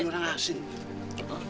terima kasih tuhan